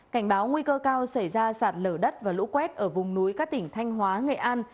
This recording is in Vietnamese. cảnh báo nguy cơ cao xảy ra sạt lở đất và lũ quét ở vùng núi các tỉnh thanh hóa nghệ an